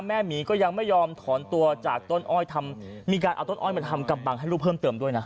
หมีก็ยังไม่ยอมถอนตัวจากต้นอ้อยทำมีการเอาต้นอ้อยมาทำกำบังให้ลูกเพิ่มเติมด้วยนะ